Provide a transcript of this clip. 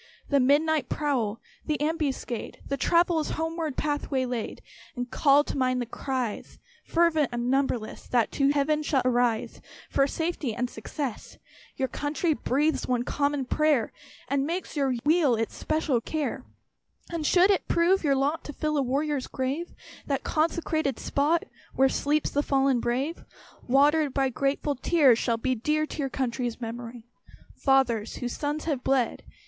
The midnight prowl the ambuscade The traveller's homeward path waylaid! And call to mind the cries, Fervent and numberless, That shall to Heaven arise For safety and success. Your country breathes one common prayer, And makes your weal its special care. And should it prove your lot To fill a warrior's grave, That consecrated spot Where sleeps "the fallen brave," Watered by grateful tears, shall be Dear to your country's memory. Fathers, whose sons have bled!